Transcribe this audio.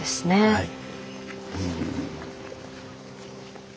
はい。